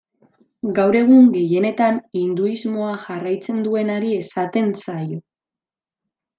Gaur egun gehienetan hinduismoa jarraitzen duenari esaten zaio.